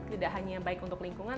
tidak hanya baik untuk lingkungan